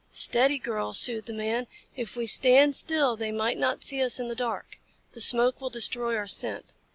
"Steady, girl," soothed the man. "If we stand still they might not see us in the dark. The smoke will destroy our scent."